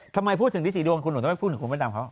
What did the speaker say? ทำไมพูดถึงที่สี่วงคุณหนูทำไมพูดถึงคุณเบนดำเขา